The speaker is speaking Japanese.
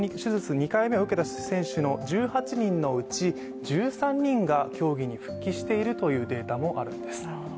２回目を受けた選手１８人のうち、１３人が競技に復帰しているというデータもあるんです。